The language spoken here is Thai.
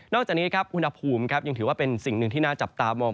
จากนี้ครับอุณหภูมิยังถือว่าเป็นสิ่งหนึ่งที่น่าจับตามอง